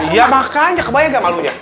ya makannya kebayang gak malunya